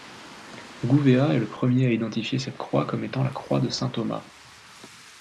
Gouvea est le premier à identifier cette croix comme étant la ‘Croix de Saint-Thomas’.